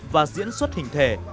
và diễn xuất hình thể